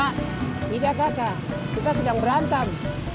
tidak kakak kita sedang berantem